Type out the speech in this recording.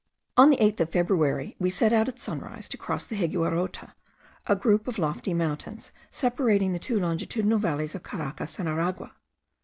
On the eighth of February we set out at sunrise, to cross the Higuerote, a group of lofty mountains, separating the two longitudinal valleys of Caracas and Aragua.